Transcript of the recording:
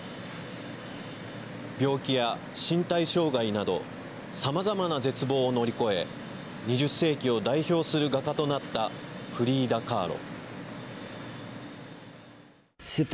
病気や身体障害などさまざまな絶望を乗り越え２０世紀を代表する画家となったフリーダ・カーロ。